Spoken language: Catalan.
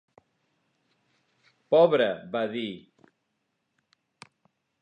"Pobre", va dir.